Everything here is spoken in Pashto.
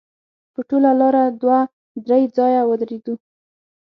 په ټوله لاره دوه درې ځایه ودرېدو.